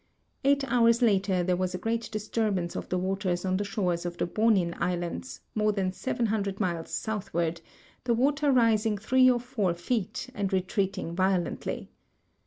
Eight hours later there was a great disturbance of the waters on the shores of the Bonin islands, more than 700 miles southward, the water rising three or four feet and retreating violently.